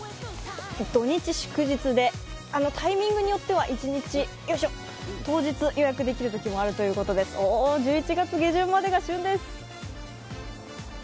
土日祝日で、タイミングによっては当日予約できるときもあるということで１１月下旬までが旬です。